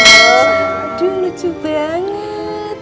aduh lucu banget